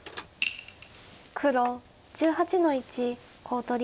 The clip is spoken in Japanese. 黒１８の一コウ取り。